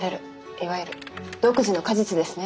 いわゆる毒樹の果実ですね。